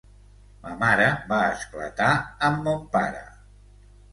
Ma mare va esclatar amb mon pare...